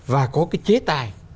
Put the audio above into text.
và có cái chế tài